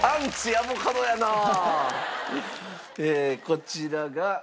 こちらが。